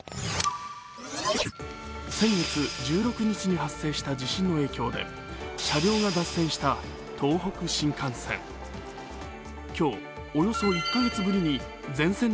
先月１６日に発生した地震の影響で、車両が脱線した東北新幹線。